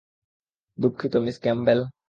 দুঃখিত, Miss Campbell.